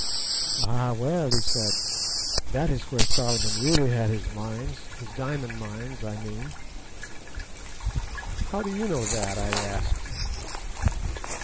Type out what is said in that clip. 'Ah, well,' he said, 'that is where Solomon really had his mines, his diamond mines, I mean.' "'How do you know that?' I asked.